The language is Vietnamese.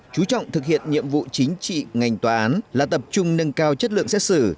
chú trọng thực hiện nhiệm vụ chính trị ngành tòa án là tập trung nâng cao chất lượng xét xử